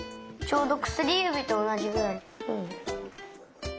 ちょうどくすりゆびとおなじぐらい。